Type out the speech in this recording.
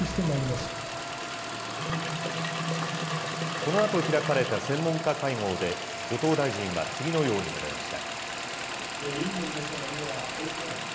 このあと開かれた専門家会合で、後藤大臣は次のように述べました。